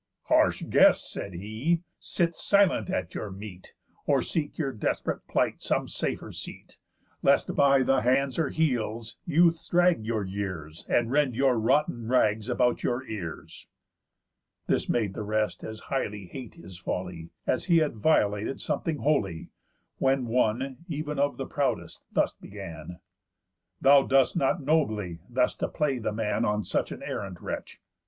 "Harsh guest," said he, "sit silent at your meat, Or seek your desp'rate plight some safer seat, Lest by the hands or heels youths drag your years, And rend your rotten rags about your ears." This made the rest as highly hate his folly, As he had violated something holy. When one, ev'n of the proudest, thus began: "Thou dost not nobly, thus to play the man On such an errant wretch.